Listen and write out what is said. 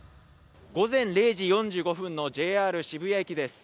午前０時４５分のＪＲ渋谷駅です。